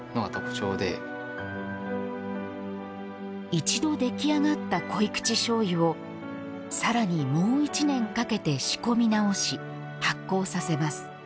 一度、出来上がった濃い口しょうゆをさらにもう１年かけて仕込み直し発酵させます。